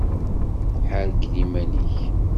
Ḥerkel iman-ik!